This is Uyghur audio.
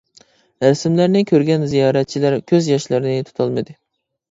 رەسىملەرنى كۆرگەن زىيارەتچىلەر كۆز ياشلىرىنى تۇتالمىدى.